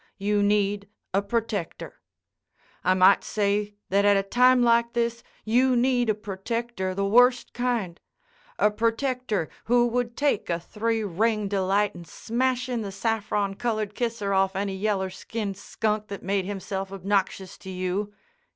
You need a protector. I might say that at a time like this you need a protector the worst kind—a protector who would take a three ring delight in smashing the saffron colored kisser off of any yeller skinned skunk that made himself obnoxious to you.